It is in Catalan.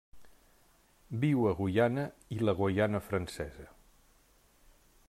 Viu a Guyana i la Guaiana Francesa.